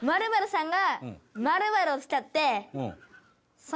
○○さんが？